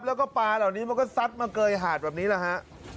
แล้วก็ปลาเหล่านี้มันก็ซัดมาเกยหาดแบบนี้แหละฮะ